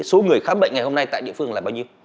số người khám bệnh ngày hôm nay tại địa phương là bao nhiêu